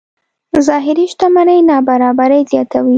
ظاهري شتمنۍ نابرابرۍ زیاتوي.